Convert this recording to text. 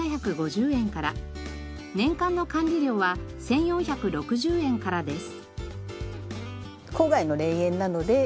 年間の管理料は１４６０円からです。